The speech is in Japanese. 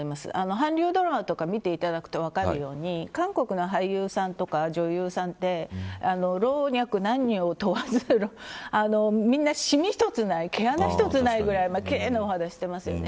韓流ドラマとか見ていただくと分かるように韓国の俳優さんとか女優さんって老若男女を問わずみんなシミ一つない毛穴一つないぐらい奇麗なお肌をしていますよね。